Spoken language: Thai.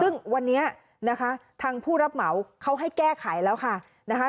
ซึ่งวันนี้นะคะทางผู้รับเหมาเขาให้แก้ไขแล้วค่ะนะคะ